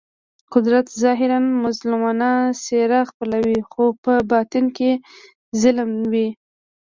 قدرت ظاهراً مظلومانه څېره خپلوي خو په باطن کې ظالم وي.